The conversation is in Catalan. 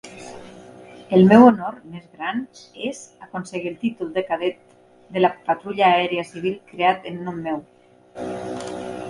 El meu honor més gran "és" aconseguir el títol de cadet de la Patrulla Aèria Civil creat en nom meu.